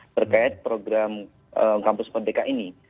berkait program kampus pdk ini